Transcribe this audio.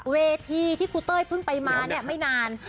เวที่ที่คุณเต๋ยเพิ่งไปไม่นาน